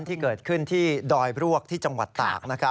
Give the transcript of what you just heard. ที่เกิดขึ้นที่ดอยรวกที่จังหวัดตาก